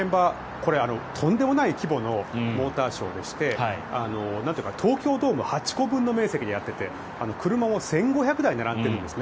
これ、とんでもない規模のモーターショーでして東京ドーム８個分の面積でやっていて車も１５００台並んでるんです。